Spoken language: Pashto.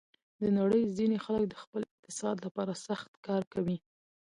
د نړۍ ځینې خلک د خپل اقتصاد لپاره سخت کار کوي.